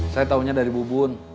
saya taunya dari bu bun